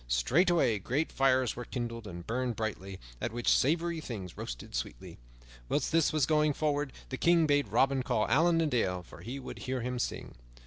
Straightway great fires were kindled and burned brightly, at which savory things roasted sweetly. While this was going forward, the King bade Robin call Allan a Dale, for he would hear him sing.